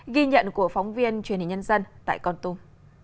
ghi nhận của phóng viên truyền hình nhân dân tại con tum